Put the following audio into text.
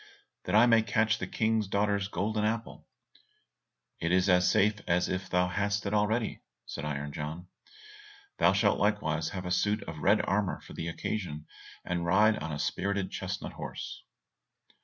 "That I may catch the King's daughter's golden apple." "It is as safe as if thou hadst it already," said Iron John. "Thou shalt likewise have a suit of red armour for the occasion, and ride on a spirited chestnut horse."